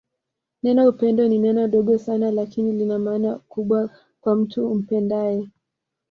Neno upendo ni neno dogo Sana lakini Lina maana kubwa kwa mtu umpendae